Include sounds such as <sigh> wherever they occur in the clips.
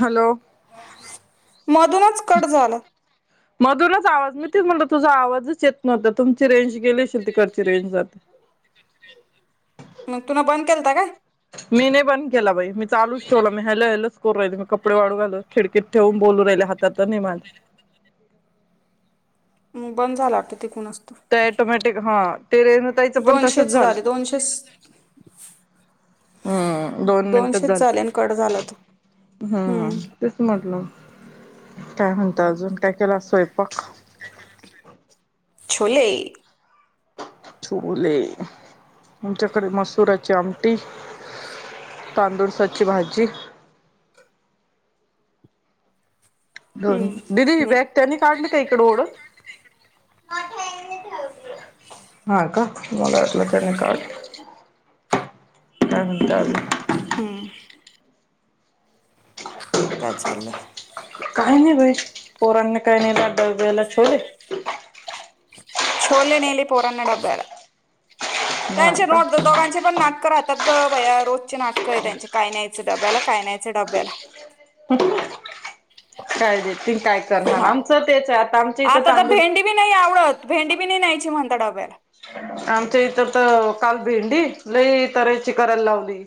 Hello मधूनच cut झालं मधूनच आवाज मीतीच म्हटलं तुझा आवाजच येत न्हता तुमची रेंज गेलेशील तेकडचे रेंज जात मग तुन बंद केलता काय मी नाही बंद केला बाई मी चालच ठेवला मी हॅलो हॅलो च करू राहि मी कपडे वाढू आल खिडकीत ठेवून बोल राहिले तो नि माज हम् बंद झाला किती कोण असत ते टोमॅटिक हा ते रेनतायचं पण तसच दोनशेच झाल झाले दोनशेच हम्म दोन मिनिटच दोनशेच झाल झाले आणि कट झाला तो हम्म तस म्हटलव काय म्हणत अजून काय केलं स्वयंपाक छोले छोले आमच्याकडे मसुराची आमटी तांदूळ साची भाजी हम्म दिदी नाही बॅग त्यांनी काढली का इकडे ओढत मठय क ऊ हा का मला वाटल त्यांनी काढली हम् काय चाललं काइ नइ बई पोरांनी काइ नेल डब्याला छोले छोले नेली पोरांनी डब्याला हा त्यांचे का द्रोज दोघांचे पण नाटकं राहतात ग बया रोजचे नाटकं य त्यां चे काय न्यायच डब्याला काय न्यायच डब्याला काय देतील काय करणार हा आमचं तेचाय आता तर भेंडी बी नाय आवडत भेंडी बी नइ न्यायची म्हणत डब्याला आमच्या इतर तर काल भेंडी लई तर्हेची करायला लावली.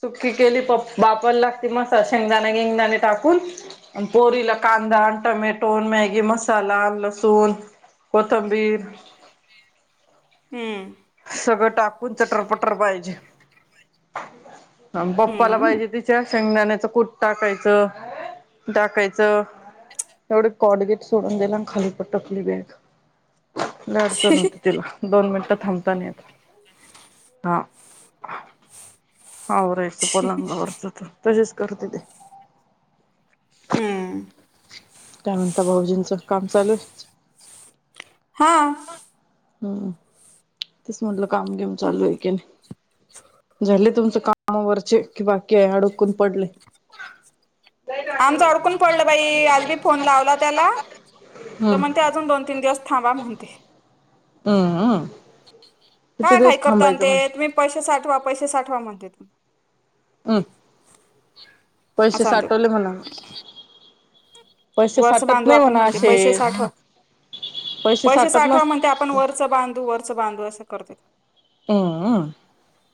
सुकी केली प बापाला लागते मस शेंगदाण बिंगदाण टाकून पोरीला कां दा टमॅटो मॅगी मसाला लसूण कोथंबीर हम्म. सगळं टाकून चटरपटर पाहीजे. पप्पाला हम्म पाहिजे तिच्या शेंगदाण्याचं कूट टाकायचं टाकायचं एवढे कॉडगेट सोडून दिले खाली पटकली खाली बॅग लइ अडचन हुती तीला दोन मिनिटं थांबता नाइ येत हा हाव रेस लागणारच होती तशीच करते ते हम्म. काय म्हणता भाऊजींचं काम चालूय? हा. हम्म तेच म्हटलं काम बिम चालू हाय की नइ. झाले तुमचे काम वरचे कि बाकी <unintelligible> ले आमच अडकून पडलं बई आज बी फोन लावला त्याला तर हम्म म्हणते अजून दोन तीन दिवस थांबा म्हणते. हम्म हम्म. काय घाई करता न ते तुम्ही पैशे साठवा पैशे साठवा म्हणता ते <unintelligible> पैशे असं साठवले म्हणते म्हणाव. वरच बांधू आपण म्हणतो पैशे साठव पैसे पैशे साठत साठवा नस म्हणते आपण वरचं बांधू वरचं बांधू असं करत होते. हम्म म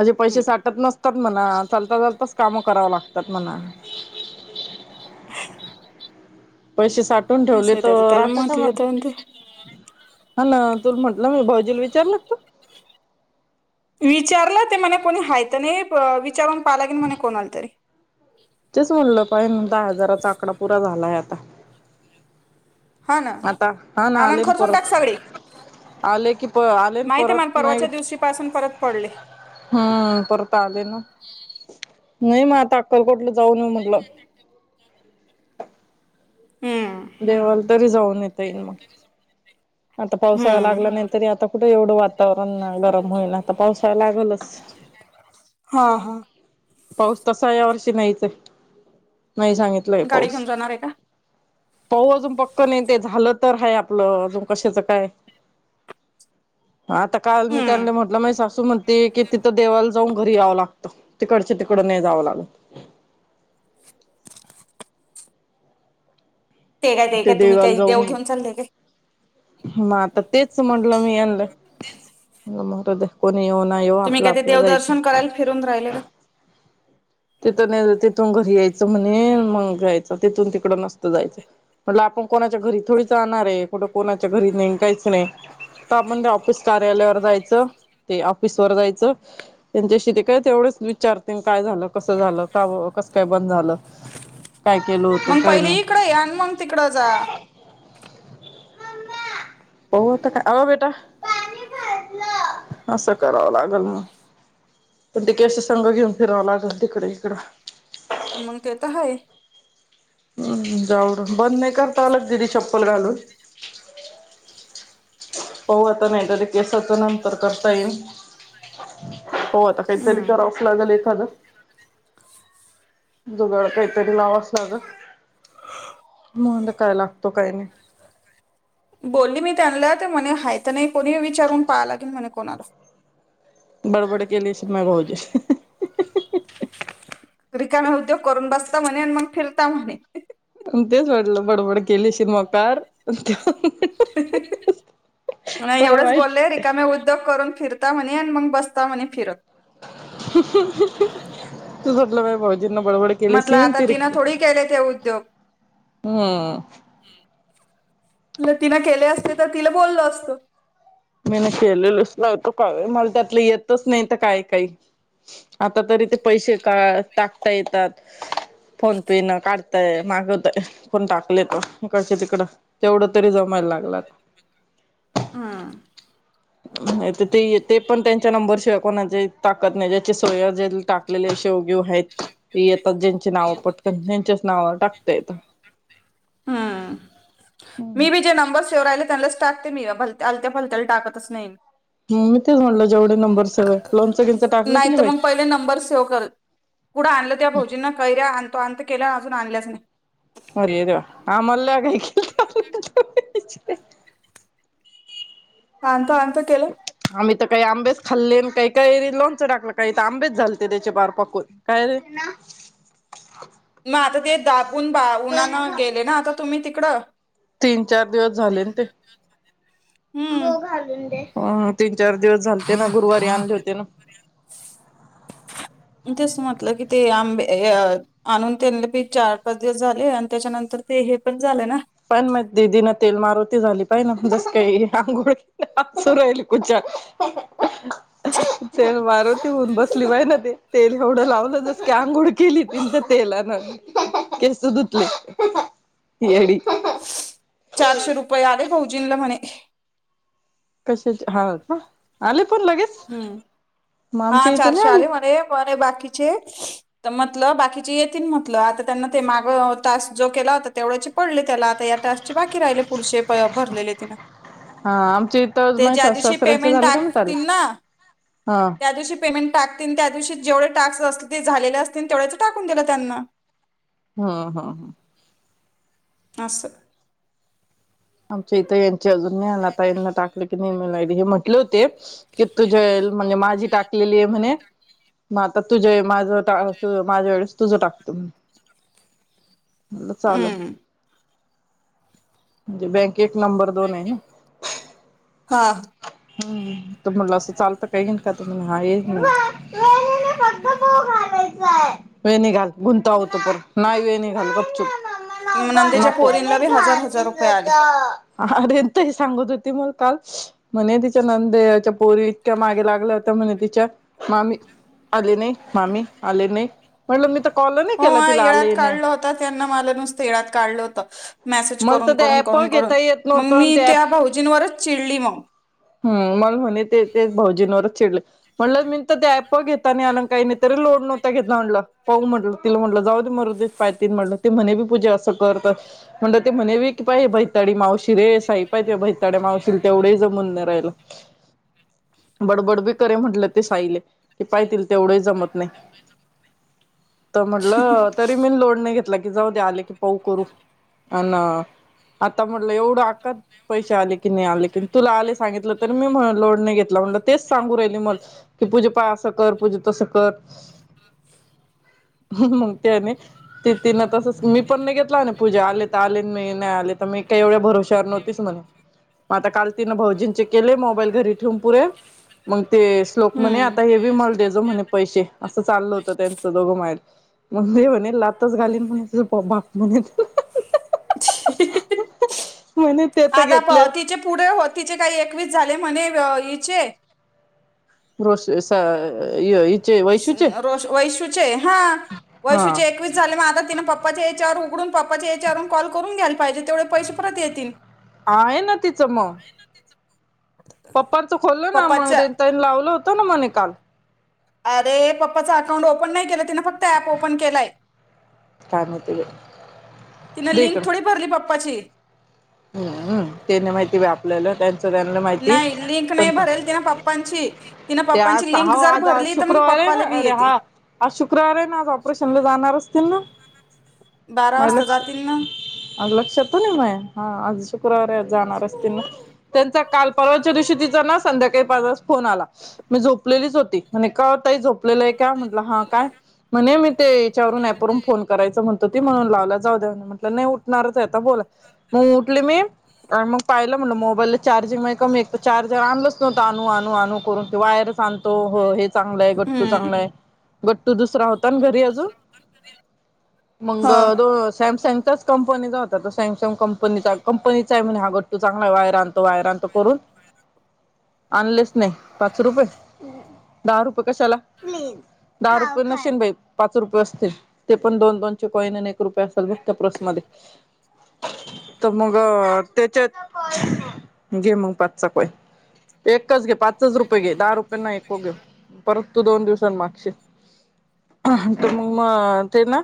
अशे पैशे हम्म साठत नसतात म्हणा चालता चालताच कामं कराव ला तातम्हना पैसे साठून ठेवले असं त्याच तर त्याला राहत का म म्हटलं तर ते <unintelligible> तु म्हंटलं मी भावुजील विचारलत का? विचारलं ते म्हणे कोणी हाय तर नइ प विचारून पाहलागेल मणे कोणाल तरी तेच म्हणलं पाह म दहा हजाराचा आकडा पूरा झालाय आता हा ना आता हा ना आनंद आलेन खर्चून टाक परत सगळे आले की प आले न माहिती आहे परत मला नइ परवाच्या दिवशी पासून परत पडले हम्म प <unintelligible> नइ म आता अक्कलकोटला जाऊन ये म्हटलं. हम्म देवाल तरी जाऊन येता येईल म. आता पावसाळा हम्म लागला नाइतरी आता कुट एवढं वातावरण न गरम होईल आता पावसाळ लागलच. हा हा. पऊस तसा या वर्षी नाइचए, नाइ सांगितलंय गाडी पऊस. घेऊन जाणार आहे का पाऊ अजून पक्क नाई ते झालं तर हाय आपलं, अजून कशाचं काय. <inaudible> हा आता काल मी हम्म. त्यांना म्हटलं माही सासू म्हणती की तिथं देवाला जाऊन घरी यावं लागत तिकडच्या तिकड नाही जावं लागत. ते काय ते काय तुम्ही काही देऊ घेऊन चालले काय. म आता तेच म्हटलं मी यलं मरु द्या कोणी येऊ ना येऊ तुम्ही आपलं काय ते आपलं जायचं. देवदर्शन करायला फिरून राहिले का? तिथ तिथून घरी यायचं म्हणे मग जायचं तिथून तिकड नसतं जायचं, म्हटलं आपण कोणाच्या घरी थोडीच जाणार आहे. कुठं कोणाच्या घरी नाही काहीच नाही तर आपण त्या ऑफिस कार्यालयावर जायचं ते ऑफिस वर जायचं त्यांच्याशी ते काय तेवढंच विचारते, काय झालं? कस झालं का कसं काय बंद झालं? काय केलो होतो मग काही पहिले इकडे या नाही? आणि मग तिकडं जा. हो. तर आ बेटा असं करावं लागल मग पण तिके असं संघ घेऊन फिरावं लागल तिकडे इकडं मग ते तर हाय. हम्म जाऊ बंद नाही करता आल दिदी चप्पल घालून. पाहू आता नाही तरी केसाच नंतर करता येईल. हो आता काहीतरी हम्म. करावच लागल एखादं जुगाड काहीतरी लावावच लागल. महुंदे काय लागतो काय नाही. बोलली मी त्यांला तर म्हणे हाय तर नाही कोणी विचारून पाहां लागेल म्हणे कोणाला बडबड केली स मय भाऊजी रिकाम उद्योग करून बसता म्हणे आणि मग फिरता म्हणे. तेच वाटलं बडबड केली शिमाकार नाही मला एवढंच माहित बोलले रिकामे उद्योग करून फिरता म्हणे आणि मग बसता म्हणे फिरत. तू झटला बाय <unintelligible> जिन बड बड केेले म्हटलं आता तिनं थोडी केले ते उद्योग. हम्म. <unintelligible> तिन केले असते तर तिला बोललो असतो. मीन केलेलोच नव्हतो तो मला त्यातलं येतच नाही तर काय काही. आता तरी ते पैसे का टाकता येतात. फोन पे न काढताय मागवतय कोण टाकले त कड तिकडं तेवढं तरी जमा. लागलात. हा. नाहीतर ते येतय पण त्यांच्या नंबर शिवाय कोणाचे टाकत नाही ज्याचे सेव्ह जे टाकलेले सेव्हगेव आहेत येतात ज्यांची नाव पटकन त्यांच्याच नावा टाकत येत. हम्म मी बी जे नंबर सेव्ह राहिले त्यांन लाच टाकते मी भलत्यालत्या फलत्याला टाकतच नाही. म मी तेच म्हणल जेवढे नंबर सेवय लोन चं बिनच टाकलं की नाही बाई. कुढं आणलं त्या भौजींना कैऱ्या आणतो आणतो केला अजून आणल्याच नाही. अरे देवा <unintelligible> आणतो आणतो केलं आम्ही तर काही आंबेच खाल्ले आणि काही कैरी लोणचं टाकलं काही तर आंबेच झालते त्याच्या पार पकून काय <inaudible> मग आता ते दाखवून बा उन्हानं गेले ना आता तुम्ही तिकडं तीन चार दिवस झाले न ते. हम्म चार दिवस झालते ना गुरुवारी आणले होते ना. तसं म्हटलं की ते आंबे आणून त्यां पी चार पाच दिवस झाले आणि त्याच्यानंतर ते हे पण झालं ना. पण मग दिदीन तेल मारुती झाली पाहिजे ना म्हणजस काही आंघोळी राहिली कुच्या ल मारुती होऊन बसली बाहि ना ते तेल एवढं लावलं जस आंगुळ केली तन तर तेलान केस धुतले येडी. चारशे रुपये आले भौजीनला म्हणे. कशाचे हा का आले. पण लगेच हम्म मग हा आमच्या इथं नाही चारशे आले म्हणे म्हणे बाकीचे तर म्हटलं बाकीचे येतील म्हटलं आता त्यांना ते माग तास जो केला होता तेवढ्याची पडले त्याला आता तासचे बाकी राहिले पुढसेे भरलेले तिनं हा आमच्या इथं ते ज्या माझ्या सासू दिवशी सासऱ्यांचे पेमेंट झाले का म्हणत आले टाकतील ना हा त्या दिवशी पेमेंट टाकतील त्या दिवशी जेवढे टाक्स अस ते झाले असतील तेवढेच टाकून दिला त्यांना. हा हा हा. असस. आमच्या इथं यांचे अजून आ आता यांना टाकलं की नेमी हे म्हटले होते की तुझ्या म्हणजे माझी टाकलेली आहे म्हणे मग आता तुझ माझ माझ्या वेळेस तुझ टाकतो म <unintelligible> म्हटलं चालव. हम्म म्हणजे बँक एक नंबर दोन आहे ना. हा हम्म त मला असं चालतं काहीन का तर मला हा ये वे नि घाल गुंता होतो प नाही वे नि घाल गपचूप. <unintelligible> ह नंदेच्या पोरींला बी हजार हजार रुपये आले अरेंतही सांगत होती मला काल म्हणे तिच्या नंदेच्या पोरी इतक्या मागे लागल्या होत म्हणे तिच्या मामी आले नाही मामी आले नाही म्हटलं मी तर कॉल नाही हो केला तिला येळ्यात आले नाही. काढलं होत त्यांना मला नुसतं येळ्यात काढलं होत मेसेज मला तर करून ते करून ऍप कर करून घेता येत मग नव्हतं आणि मी ते त्या ऍप भाऊजींवरच चिडली मग हम्म मला म्हणे ते तेच भाऊजींवरच चिडले म्हटलं मी तर त्याप प घेता नाही आणून काही नाही तरी लोड नव्हता घेतला म्हटलं पाहू म्हटलं तिला म्हटलं जाऊ दे मरो म्ह ते म्ही पूजा अस करत म्हण ते म्हणे क बैताडी मावशी रे पाहिे भैताडे मावशील तेवढे जमून न राहिला. बडबड बी करे म्हटलं ते साईले की पाहितील तेवढं जमत नाही. तर म्हटलं तरी मी लोड नाही घेतला की जाऊ द आले की पाऊ करू अ ना आता म्हटलं एवढं आका पैसे आले कि नाही आले की तुला आले. सांगितलं तर मी लोड नाही घेतला म्हण तेच सांगू राहिली म की पूजे पा असं कर पूजे तसं कर <unintelligible> मग ते नाही ति तिन तसच मी पण नाही घेतला पूजा आले तर आले नाही नाही आले तर म मी काही एवढ्या भरोशवर नव्हती म्ह मग आता काल तिन भाऊजी चे केले मोबाईल घरी ठेवून पुरे मग ते श्लोक म्हणे हम्म आता हे बी मल दे जो म्हणे पैसे असं चाललं होत त्यांचं दोघं माय ले मुंबई म्हणे लातच घालीन म्हणे तुझ बाप म्हणे <unintelligible> म्हणे ते तर आता प घेतले तिचे पुढे हो तिचे काही एकवीस झाले म्हणे हिचे <unintelligible> रोष वैशूचे हा हा वैशूचे एकवीस झाले मग आता तिन पप्पाचे येचावर तकडून पप्पाच्या याच्यावरून कॉल करून घ्यायला पाहिजे तेवढे पैसे परत येतील हा आहे ना तिचं मग पप्पांच खोललं ना म पप्पाच्या लावलं होतं ना मणे काल अरे पप्पाच अकाउंट ओपन नाही केलं तिने फक्त ऍप ओपन केलाय. काम होते बाई तिने दे लिंक इकडं थोडी भरली पप्पाची. हम्म तेने माहिती व आपल्याला सगळ्यांना माहितीय नाही लिंक पण नाही भरेल तिनं पप्पांची तिनं ते आज पप्पांची लिंक हो जर आज आज भरली तर मग शुक्रवार आहे ना पप्पाला बी अरे येते हा आज शुक्रवार आहे ना आज ऑपरेशनला जाणारच असतील ना. बारा माय वाजता लक्ष जातील ना लक्षातच नाई माय. शुक्रवार आहे आज जाणार असतील ना त्यांचा काल, परवाच्या दिवशी तिचा ना संध्याकाळी पाच वाजता फोन आला. मी झोपलेलीच होती म्हणे का ताई झोपलेलं आहे का? म्हटलं हा काय म्हणे मी ते हेच्यावरून ऍपवरून फोन करायच म्हणत होती, म्हणून लावला जाऊ दया मी म्हटलं नाही उठणारच आहे आता बोला. उठली मी. मग ताईला म्हटलं मोबाईल दे चार्जिंग लय कमीय एक तर चार्जर आणलंच नव्हतं आणू - आणू आणू करून वायरच आणतो, हो, हे चांगलंय गट्टू हम्म चांगलाय, गट्टू दुसरा होता ना घरी अजून ह मंग दो सॅमसंग त्याच कंपनीचा होता तो. सॅमसंग कंपनीचा कंपनीचा आहे म्हने हा गट्टू चांगला वायर आन वायर आणतो करून आणलेच नाही, पाच रुपये दहा रुपये कशाला दहा रुपये नशीन बाई, पाच रुपये असतील ते पण दोन - दोन चे कॉईन आणि एक रुपया असल बघ त्या पर्समध्ये. <unintelligible> तर मग त्याच्यात, घे मग पाचचा कॉइन. एकच घे पाचच रुपये घे, दहा रुपये नको घेऊ, परत तू दोन दिवस मागशिल तर मग म ते ना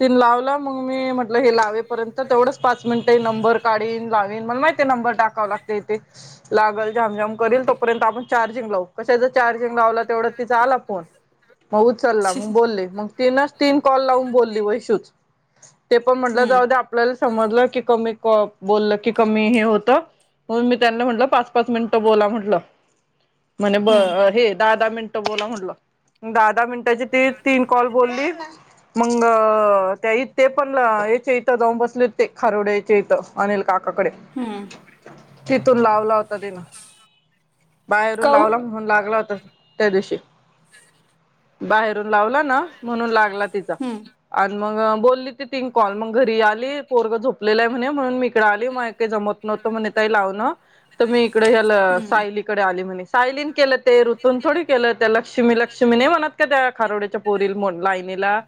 तिन लावला मग मी म्हटलं हे लावेपर्यंत तेवढंच पाच मिनिट नंबर काढीन लावीन मला माहि नंबर टाकाव लागतय ते लागलं ज्याम ज्यांम करून तोपर्यंत आपण चार्जिंग लावू कशाच चार्जिंग लावला तेवढ्यात तिचा आला फोन मग उचलला मग बोले मग तीन कॉल लावून बोलली वैशुच, ते पण म्हटलं हम्म जाऊद्या आपल्याला समजलं की कमी कॉ बोललं की कमी हे होत म्हणून मी त्यांना म्हटलं पाच-पाच मिनिटं बोला म्हंटलं. म्हणे ब हम्म हे दहा-दहा मिनट बोला म्हटलं. दहा-दहा मिनिटाची ती तीन कॉल बोलली. मग त्याही ते पण. चे इथं जाऊन बसले होते ते. खारोड्याचे इथं अनिल काका. कडे हम्म तिथून लावला होता तिनं. बाहेरून काऊन? लावला म्हणून लागला होता. त्या दिवशी. बाहेरून लावला ना म्हणून लागला तिचा हं मग बोलली ती तीन कॉल मग घरी आली पोरग झोपकेली आहे. म्हणे म्हणून मी इकडे आली मा काय जमत नाय. होत म्हणे ताई लावणं तुम्ही इकड हेल हं सायली. आली म्हणे. सायलीन केलं ते ऋतून थोडीन केल. त्या लक्ष्मी लक्ष्मी नहीं म्हणत. का त्या खारूड्याच्या पोरीला. मोन लाईनीला.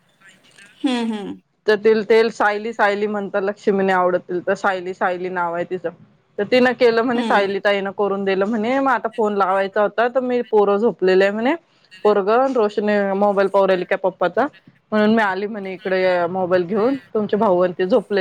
हम्म हम्म. तर तिला ते सायली. सायली. म्हणता लक्ष्मी नाही आवडतील तर सायली सायली नाव आहे तिच तर ती न. केलं म्हणे हं सायली ताईन करून दिल म्हने. नाहीय मग आता फोन लावायचा होता. तर मी आता पोर झोपलेल आहे म्हणे. पोरग रोशने मोबाईल पाहू राहिली पप्पाचा. म्हणून मी आली म्हणे इकडे मोबाईल घेऊन. तुमचे भाऊ आणि ते झोपलेत